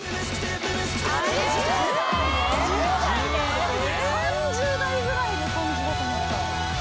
３０代ぐらいの感じだと思った。